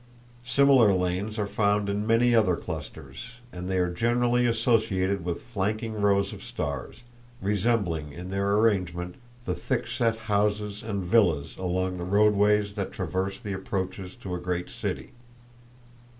Similar lanes are found in many other clusters, and they are generally associated with flanking rows of stars, resembling in their arrangement the thick set houses and villas along the roadways that traverse the approaches to a great city.